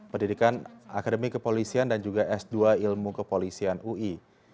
sembilan belas enam puluh sembilan pendidikan akademi kepolisian dan juga s dua ilmu kepolisian ui